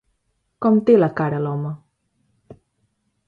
Com té la cara l'home?